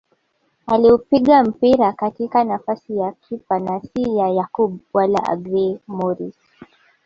Aliupiga mpira katika nafasi ya kipa na si ya Yakub wala Agrey Moris